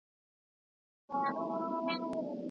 په تخصصي دورو کې مهارتونه بشپړېږي.